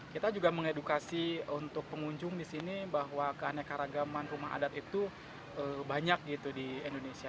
kita juga mengedukasi untuk pengunjung di sini bahwa keanekaragaman rumah adat itu banyak gitu di indonesia